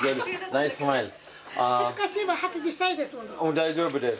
大丈夫です。